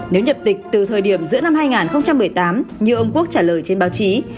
nếu nhập tịch từ thời điểm giữa năm hai nghìn một mươi tám như ông quốc trả lời trên báo chí